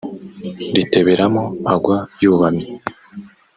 riteberamo agwa yubamye